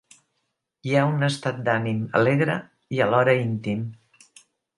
Hi ha un estat d'ànim alegre i alhora íntim.